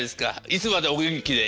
いつまでお元気で。